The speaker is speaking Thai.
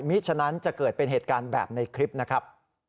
ฉะนั้นจะเกิดเป็นเหตุการณ์แบบในคลิปนะครับ